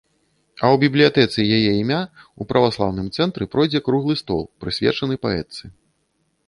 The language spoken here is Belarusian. А ў бібліятэцы яе імя ў праваслаўным цэнтры пройдзе круглы стол, прысвечаны паэтцы.